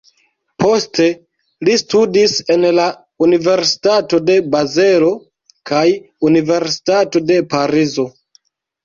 Poste li studis en la Universitato de Bazelo kaj Universitato de Parizo.